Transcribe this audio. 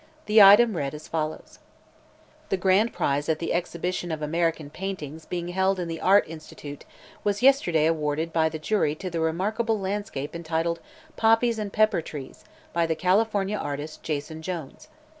The item read as follows: "The Grand Prize at the exhibition of American paintings being held in the Art Institute was yesterday awarded by the jury to the remarkable landscape entitled 'Poppies and Pepper Trees' by the California artist, Jason Jones.